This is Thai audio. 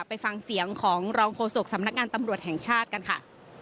ไปฟังเสียงของรองโฆษกสำนักงานตำรวจแห่งชาติกันค่ะ